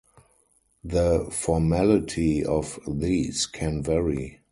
The formality of these can vary.